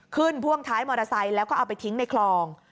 พ่วงท้ายมอเตอร์ไซค์แล้วก็เอาไปทิ้งในคลอง